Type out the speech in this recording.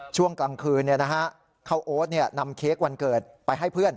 ช่วงกลางคืนข้าวโอ๊ตนำเค้กวันเกิดไปให้เพื่อน